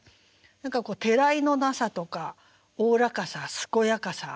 何かてらいのなさとかおおらかさ健やかさ。